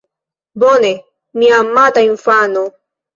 Bone, mia amata infano?